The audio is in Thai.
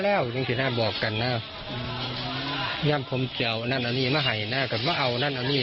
แล้วคุยกับลูกชายก็ได้